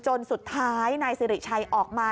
จนสุดท้ายนายสิริชัยออกมา